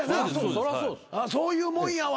そういうもんやわ。